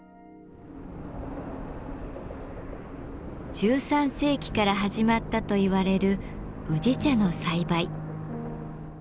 １３世紀から始まったといわれる宇治茶の栽培。